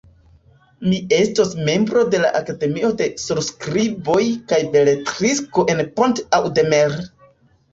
Mi estos membro de la Akademio de Surskriboj kaj Beletrisko en Pont-Audemer!